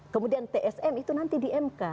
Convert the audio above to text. kemudian tsm itu nanti di mk